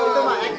kalau di sini